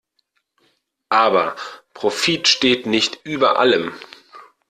Aber Profit steht nicht über allem.